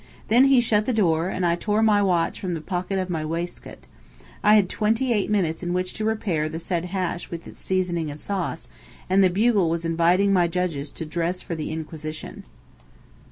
Then he shut the door; and I tore my watch from the pocket of my waistcoat. I had twenty eight minutes in which to prepare the said hash with its seasoning and sauce; and the bugle was inviting my judges to dress for the inquisition.